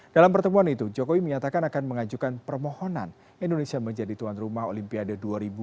dalam pertemuan itu jokowi menyatakan akan mengajukan permohonan indonesia menjadi tuan rumah olimpiade dua ribu dua puluh